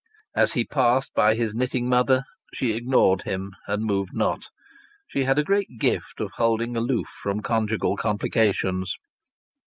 As he passed by his knitting mother she ignored him and moved not. She had a great gift of holding aloof from conjugal complications.